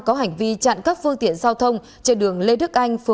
có hành vi chặn các phương tiện giao thông trên đường lê đức anh